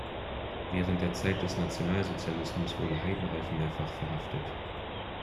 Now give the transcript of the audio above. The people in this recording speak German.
Während der Zeit des Nationalsozialismus wurde Heidenreich mehrfach verhaftet.